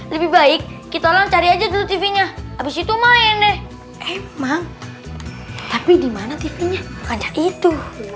lebih baik kita cari aja dulu tv nya habis itu main deh emang tapi dimana tv nya itu